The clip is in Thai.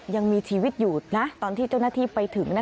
ยังมีชีวิตอยู่นะตอนที่เจ้าหน้าที่ไปถึง